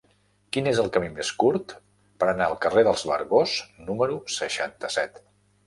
Quin és el camí més curt per anar al carrer dels Vergós número seixanta-set?